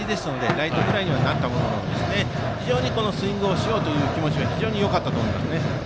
ライトフライにはなったもののスイングをしようという気持ちは非常によかったと思います。